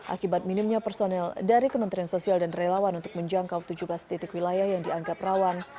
akibat minimnya personel dari kementerian sosial dan relawan untuk menjangkau tujuh belas titik wilayah yang dianggap rawan